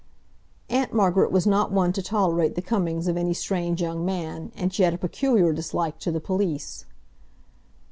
Aunt Margaret was not one to tolerate the comings of any strange young man, and she had a peculiar dislike to the police.